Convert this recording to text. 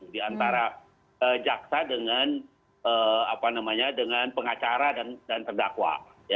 diantara jaksa dengan pengacara dan terdakwa